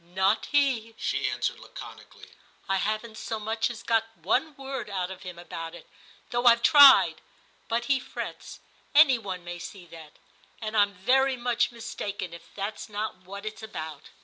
* Not he,' she answered laconically ;* I haven't so much as got one word out of him about it, though I've tried ; but he frets — any one may see that. And I'm very much mis taken if that's not what it's about.'